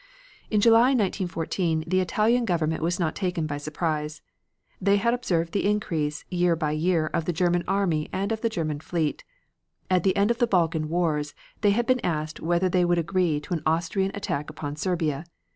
In July, 1914, the Italian Government was not taken by surprise. They had observed the increase year by year of the German army and of the German fleet. At the end of the Balkan wars they had been asked whether they would agree to an Austrian attack upon Serbia.